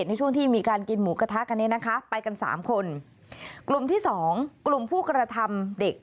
ในช่วงที่มีการกินหมูกระทะกันเนี่ยนะคะไปกันสามคนกลุ่มที่สองกลุ่มผู้กระทำเด็ก